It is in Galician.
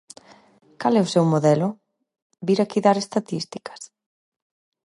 ¿Cal é o seu modelo?, ¿vir aquí dar estatísticas?